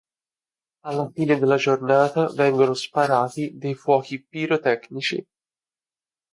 Alla fine della giornata vengono sparati dei fuochi pirotecnici.